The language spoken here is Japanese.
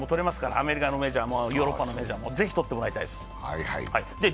アメリカのメジャーもヨーロッパのメジャーもぜひ取ってもらいたいです。